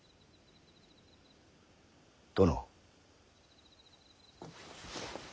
殿。